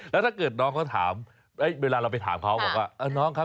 แล้วถ้าเกิดน้องเขาถามในเวลาเราไปถามเขา